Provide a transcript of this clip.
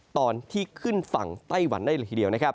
ตอนที่ขึ้นฝั่งไต้หวันได้หลีเดียว